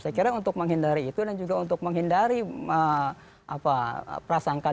saya kira untuk menghindari itu dan juga untuk menghindari prasangka